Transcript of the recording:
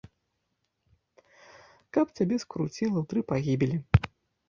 Каб цябе скруціла ў тры пагібелі!